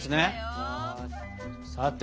さて。